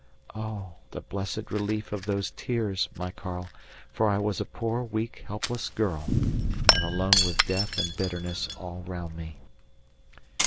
Oh! the blessed relief of those tears, my Karl, for I was a poor weak, helpless girl, and alone with death and bitterness all round me.